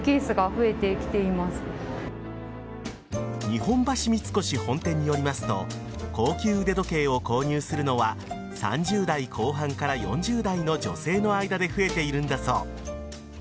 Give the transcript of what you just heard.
日本橋三越本店によりますと高級腕時計を購入するのは３０代後半から４０代の女性の間で増えているんだそう。